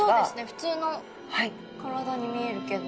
ふつうの体に見えるけど。